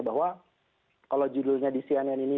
bahwa kalau judulnya di cnn ini